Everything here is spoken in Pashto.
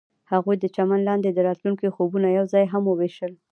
هغوی د چمن لاندې د راتلونکي خوبونه یوځای هم وویشل.